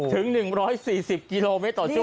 ถึง๑๔๐กิโลเมตรต่อชั่